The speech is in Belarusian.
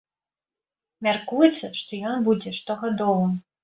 Мяркуецца, што ён будзе штогадовым.